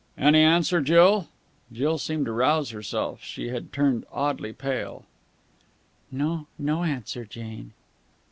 "Any answer, Jill?" Jill seemed to rouse herself. She had turned oddly pale. "No, no answer, Jane."